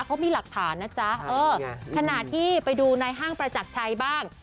เขามีหลักฐานนะจ๊ะเออขณะที่ไปดูในห้างประจักรชัยบ้าง